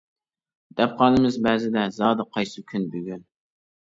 دەپ قالىمىز بەزىدە، زادى قايسى كۈن بۈگۈن.